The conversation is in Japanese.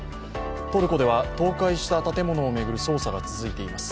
トルコでは倒壊した建物を巡る捜査が続いています。